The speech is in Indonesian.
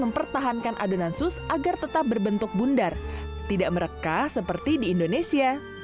mempertahankan adonan sus agar tetap berbentuk bundar tidak merekah seperti di indonesia